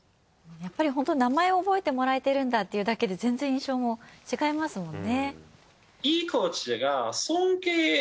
やっぱりホント名前覚えてもらえてるんだっていうだけで全然印象も違いますもんね。